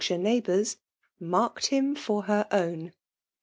sKire neighbours — marked him for her own